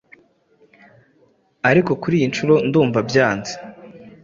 ariko kuri iyi nshuro ndumva hyanze